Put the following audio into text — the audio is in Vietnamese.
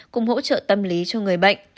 cùng hỗ trợ tâm lý cho người bệnh